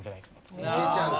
いけちゃうと？